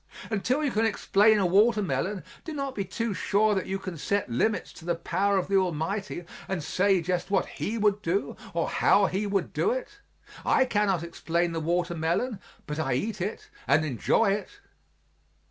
Until you can explain a watermelon, do not be too sure that you can set limits to the power of the Almighty and say just what He would do or how He would do it. I cannot explain the watermelon, but I eat it and enjoy it.